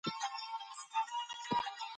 د علمي پرمختګ لپاره مطالعه ډېر مهمه ده.